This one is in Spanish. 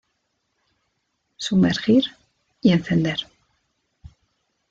Sumergir, y encender.